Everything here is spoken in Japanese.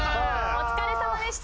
お疲れさまでした！